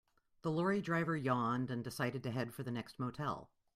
The lorry driver yawned and decided to head for the next motel.